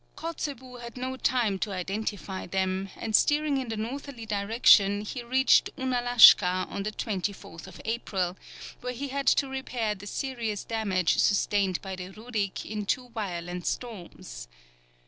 Kotzebue had not time to identify them, and steering in a northerly direction he reached Ounalashka on the 24th April, where he had to repair the serious damage sustained by the Rurik in two violent storms.